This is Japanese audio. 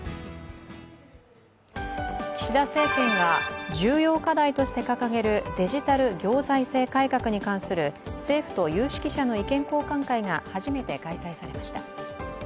岸田政権が重要課題としてデジタル行財政改革に関する政府と有識者の意見交換会が初めて開催されました。